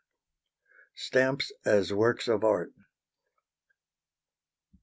Stamps as Works of Art.